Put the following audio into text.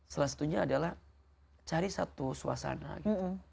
salah satunya adalah cari satu suasana gitu